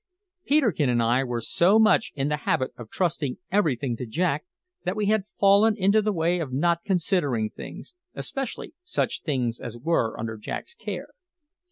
Peterkin and I were so much in the habit of trusting everything to Jack that we had fallen into the way of not considering things, especially such things as were under Jack's care.